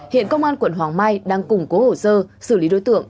hiện công an quận hoàng mai đang củng cố hồ sơ xử lý đối tượng